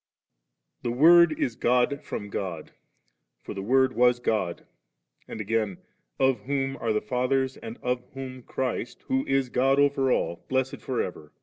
I. Thb Word is God from God; for 'the Word was God '/and again, * Of whom are the Fathers, and of whom Christ, who is God over all, blessed for ever.